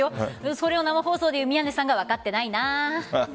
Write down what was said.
それを生放送で言う宮根さんが分かってないな。